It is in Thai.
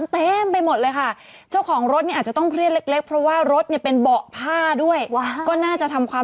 แต่เป็นเช็คโคตรนะอืมแล้วมันจะซักออกไหมอ่ะ